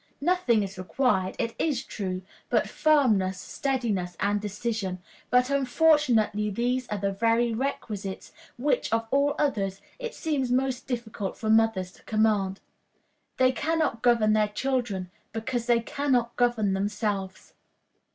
Nothing is required, it is true, but firmness, steadiness, and decision; but, unfortunately, these are the very requisites which, of all others, it seems most difficult for mothers to command. They can not govern their children because they can not govern themselves.